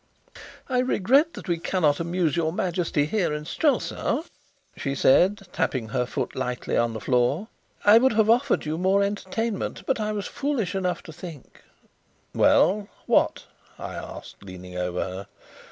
"I regret that we cannot amuse your Majesty here in Strelsau," she said, tapping her foot lightly on the floor. "I would have offered you more entertainment, but I was foolish enough to think " "Well, what?" I asked, leaning over her.